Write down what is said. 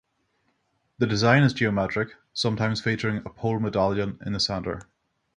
The design is geometric, sometimes featuring a pole medallion in the centre.